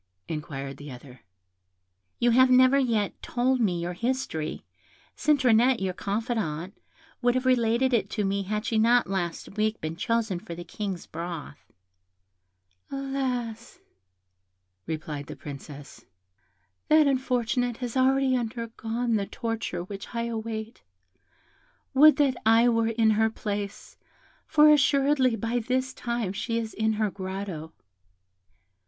inquired the other. "You have never yet told me your history; Citronette, your confidante, would have related it to me had she not last week been chosen for the King's broth." "Alas!" replied the Princess, "that unfortunate has already undergone the torture which I await; would that I were in her place, for assuredly by this time she is in her grotto."